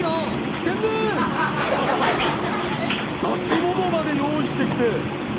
出し物まで用意してきて！